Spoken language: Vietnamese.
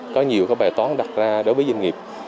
có nhiều bài toán đặt ra đối với doanh nghiệp